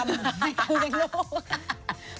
ไม่คุยกับลูก